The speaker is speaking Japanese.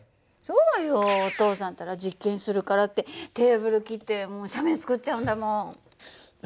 そうよお父さんったら実験するからってテーブル切って斜面作っちゃうんだもん。